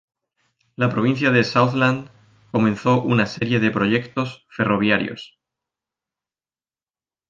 La provincia de Southland comenzó una serie de proyectos ferroviarios.